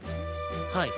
はい。